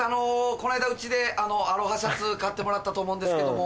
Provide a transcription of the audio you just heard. この間うちでアロハシャツ買ってもらったと思うんですけども。